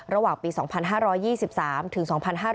ระหว่างปี๒๕๒๓ถึง๒๕๕๙